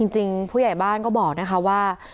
จริงผู้ใหญ่บ้านก็บอกนะคะว่า